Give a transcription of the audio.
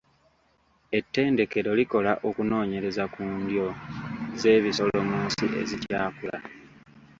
Ettendekero likola okunoonyereza ku ndyo z'ebisolo mu nsi ezikyakula.